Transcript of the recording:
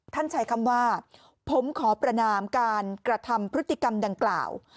ใช้คำว่าผมขอประนามการกระทำพฤติกรรมดังกล่าว